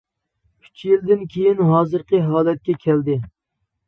ئۈچ يىلدىن كېيىن ھازىرقى ھالەتكە كەلدى.